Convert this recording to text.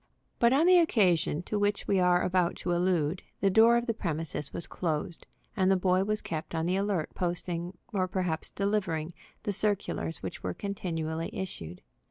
But on the occasion to which we are about to allude the door of the premises was closed, and the boy was kept on the alert posting, or perhaps delivering, the circulars which were continually issued.